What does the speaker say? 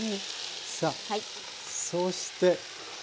さあそして時間。